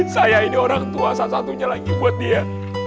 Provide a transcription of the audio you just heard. saya ini orang tua satu satunya lagi buat dia